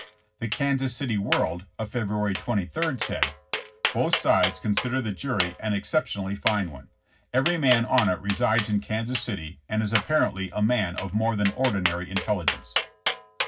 '' The Kansas City World of February 23 said : Both sides consider the jury an exceptionally fine one. Every man on it resides in Kansas City and is apparently a man of more than ordinary in telligence.